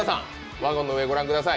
ワゴンの上、御覧ください